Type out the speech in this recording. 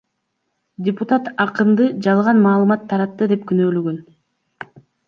Депутат акынды жалган маалымат таратты деп күнөөлөгөн.